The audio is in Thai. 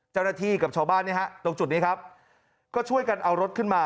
เจ้าหน้าที่กับชาวบ้านเนี่ยฮะตรงจุดนี้ครับก็ช่วยกันเอารถขึ้นมา